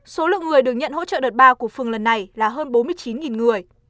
số lượng người được nhận hỗ trợ đợt ba của phường lần này là hơn bốn mươi chín người